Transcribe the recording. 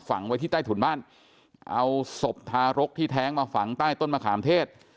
ไว้ที่ใต้ถุนบ้านเอาศพทารกที่แท้งมาฝังใต้ต้นมะขามเทศ